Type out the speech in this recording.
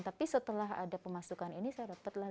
tapi setelah ada pemasukan ini saya dapatlah lima perbulannya